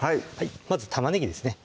まず玉ねぎですね